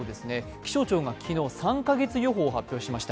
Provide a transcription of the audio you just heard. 気象庁が昨日、３カ月予報を発表しました。